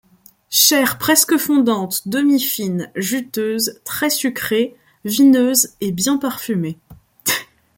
Chair presque fondante, demi-fine, juteuse, très sucrée, vineuse et bien parfumée.